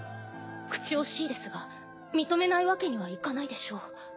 口惜しいですが認めないわけにはいかないでしょう。